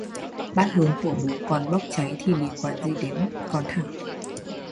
bát hương của bố con bốc cháy thì liên quan gì đến con Thảo